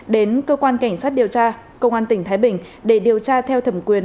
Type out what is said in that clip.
đến cơ quan cảnh sát điều tra công an tỉnh thái bình để điều tra theo thẩm quyền